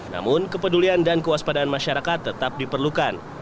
namun kepedulian dan kewaspadaan masyarakat tetap diperlukan